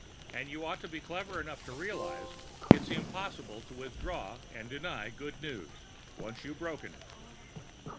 And you ought to be clever enough to realize it's impossible to withdraw and deny good news once you've broken it."